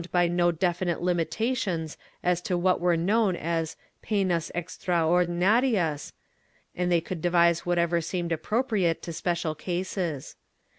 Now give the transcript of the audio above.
I] NON PEBFORMANGE 101 by no definite limitations as to what were known as fenas extra ordinarias, and they could devise whatever seemed appropriate to special cases.